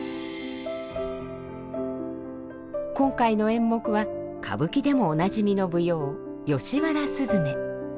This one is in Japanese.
今回の演目は歌舞伎でもおなじみの舞踊「吉原雀」。